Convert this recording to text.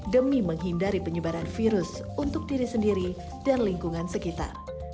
demi menghindari penyebaran virus untuk diri sendiri dan lingkungan sekitar